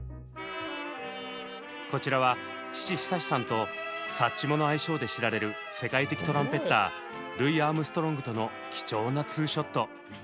こちらは父久さんと「サッチモ」の愛称で知られる世界的トランぺッタールイ・アームストロングとの貴重なツーショット。